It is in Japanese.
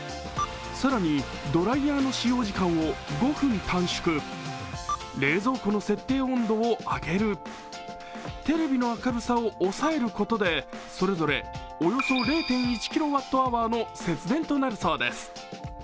更に、ドライヤーの使用時間を５分短縮、冷蔵庫の設定温度を上げるテレビの明るさを抑えることで、それぞれおよそ０．１キロワットアワーの節電となるそうです。